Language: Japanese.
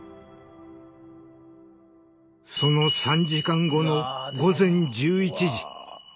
その３時間後の午前１１時。